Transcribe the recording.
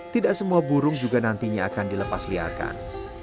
tidak semua burung juga nantinya akan dilepas liarkan